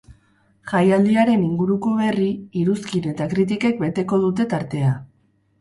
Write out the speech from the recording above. Jaialdiaren inguruko berri, iruzkin eta kritikek beteko dute tartea.